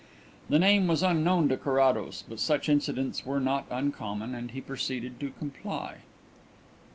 The name was unknown to Carrados, but such incidents were not uncommon, and he proceeded to comply.